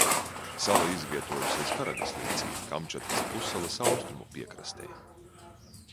Sala izvietojusies Karagas līcī Kamčatkas pussalas austrumu piekrastē.